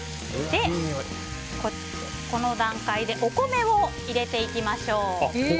この段階でお米を入れていきましょう。